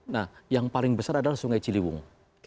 nah yang paling besar adalah sungai ciliwung